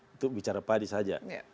itu bicara padi saja